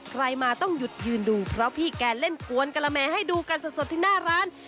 ใครมาต้องหยุดยืนดูเพราะพี่แกเล่นกวนกะละแมให้ดูกันสดที่หน้าร้าน